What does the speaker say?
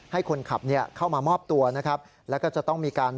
ให้คนขับนี้เข้ามามอบตัวแล้วก็จะต้องมีการ